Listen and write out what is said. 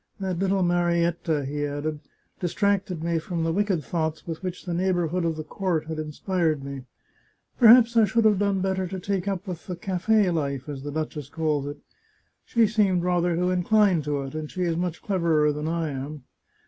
... That little Marietta," he added, " distracted me from the wicked thoughts with which the neighbourhood of the court had irtspired me. " Perhaps I should have done better to take up with the * cafe life,' as the duchess calls it. She seemed rather to incline to it, and she is much cleverer than I am.